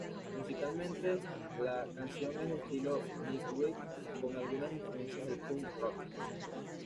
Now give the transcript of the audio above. Musicalmente la canción es de estilo New wave con algunas influencias del Punk rock.